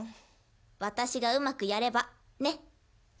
私がうまくやればねっ。